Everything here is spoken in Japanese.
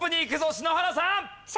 篠原さん！